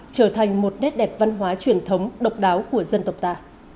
trở thành một nét đẹp văn hóa truyền thống độc đáo của dân tộc ta